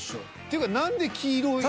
ていうか何で黄色を。